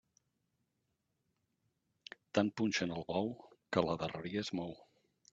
Tant punxen al bou, que a la darreria es mou.